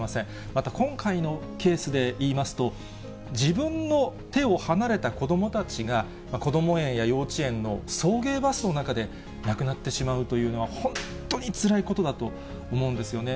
また今回のケースでいいますと、自分の手を離れた子どもたちがこども園や幼稚園の送迎バスの中で、亡くなってしまうというのは、本当につらいことだと思うんですよね。